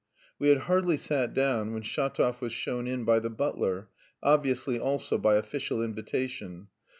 We had hardly sat down when Shatov was shown in by the butler, obviously also by official invitation.